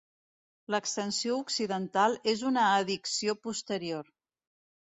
L'extensió occidental és una addició posterior.